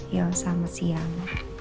yo selamat siang